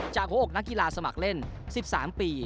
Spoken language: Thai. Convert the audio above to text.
หัวอกนักกีฬาสมัครเล่น๑๓ปี